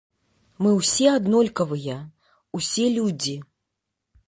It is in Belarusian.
Мы ўсе аднолькавыя, усе людзі.